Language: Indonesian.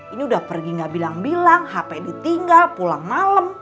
ini udah pergi gak bilang bilang hp ditinggal pulang malam